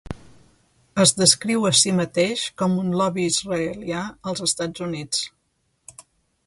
Es descriu a si mateix com un Lobby israelià als Estats Units.